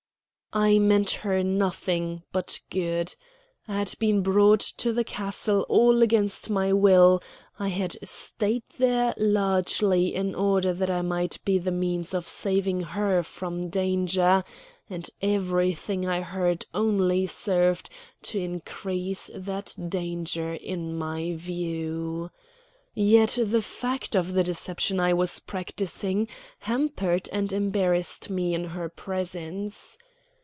I meant her nothing but good. I had been brought to the castle all against my will. I had stayed there largely in order that I might be the means of saving her from danger; and everything I heard only served to increase that danger in my view. Yet the fact of the deception I was practising hampered and embarrassed me in her presence.